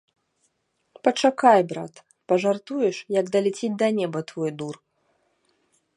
Пачакай, брат, пажартуеш, як даляціць да неба твой дур.